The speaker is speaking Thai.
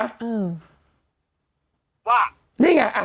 อืมว่านี่ไงอ่ะ